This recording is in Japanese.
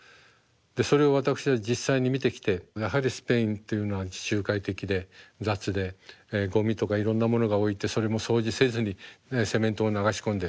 でそれを私は実際に見てきてやはりスペインというのは地中海的で雑でゴミとかいろんなものが置いてそれも掃除せずにセメントを流し込んで。